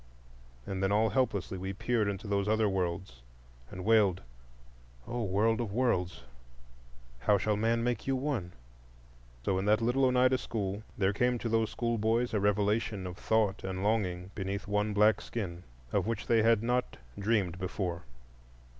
And then all helplessly we peered into those Other worlds, and wailed, "O World of Worlds, how shall man make you one?" So in that little Oneida school there came to those schoolboys a revelation of thought and longing beneath one black skin, of which they had not dreamed before.